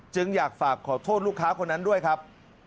จึงอยากฝากขอโทษลูกค้าคนนั้นด้วยครับ